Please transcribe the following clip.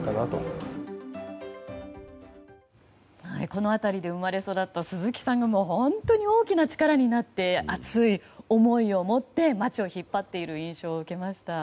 この辺りで生まれ育った鈴木さんが本当に大きな力になって熱い思いを持って街を引っ張っている印象を受けました。